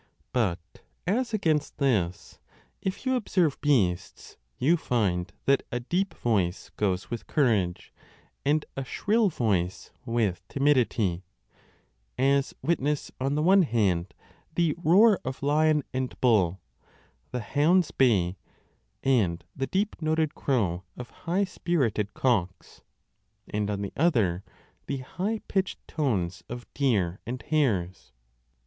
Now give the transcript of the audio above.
But as against this, if you observe beasts, you find that a deep voice goes with courage and a shrill voice with timidity, as witness on the one hand the roar of lion and bull, the hound s bay, and the deep noted crow of high spirited cocks, 20 and on the other, the high pitched tones of deer and hares.